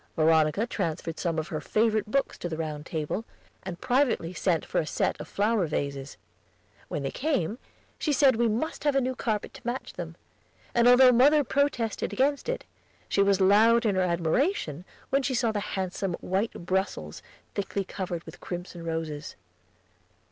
Veronica transferred some of her favorite books to the round table, and privately sent for a set of flower vases. When they came, she said we must have a new carpet to match them, and although mother protested against it, she was loud in her admiration when she saw the handsome white Brussels, thickly covered with crimson roses.